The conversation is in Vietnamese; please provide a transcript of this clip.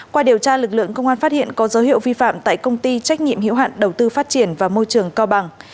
qua điều tra lực lượng công an phát hiện có dấu hiệu vi phạm tại công ty trách nhiệm hiệu hạn đầu tư phát triển và môi trường cao bằng